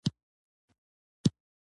د ښار خلک شړومبې په مزه څښي.